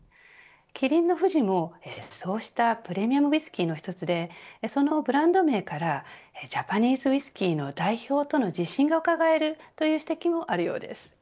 キリンの富士も、そうしたプレミアムウイスキーの１つでそのブランド名からジャパニーズウイスキーの代表との自信がうかがえるという指摘もあるようです。